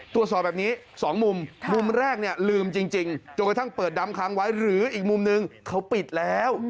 ตรวจสอบแบบนี้๒มุมมุมแรกเนี่ยลืมจริงจนกระทั่งเปิดดำค้างไว้หรืออีกมุมนึงเขาปิดแล้ว